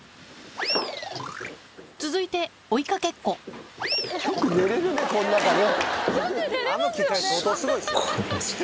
続いて追いかけっこよく寝れるねこの中ね。